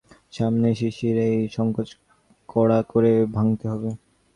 তাই সে ঠিক করেছিল, যোগমায়ার সামনে সিসির এই সংকোচ কড়া করে ভাঙতে হবে।